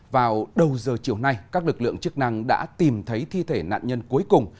vào đầu giờ chiều nay các lực lượng chức năng đã tìm thấy thi thể nạn nhân cuối cùng